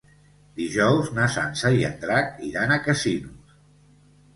Dijous na Sança i en Drac iran a Casinos.